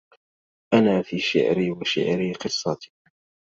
أنا في شعري وشعري قصتي